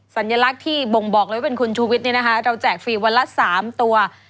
สัญลักษณ์ที่บ่งบอกเลยว่าเป็นคุณชูวิทย์เราแจกฟรีวันละ๓ตัว